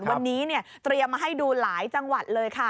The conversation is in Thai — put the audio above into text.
วันนี้เตรียมมาให้ดูหลายจังหวัดเลยค่ะ